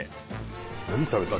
何食べた？